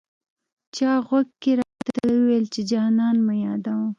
چا غوږ کي راته وويل، چي جانان مه يادوه